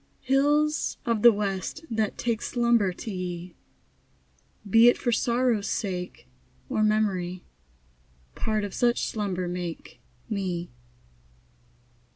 Hills of the west, that take Slumber to ye, Be it for sorrow's sake Or memory, Part of such slumber make Me.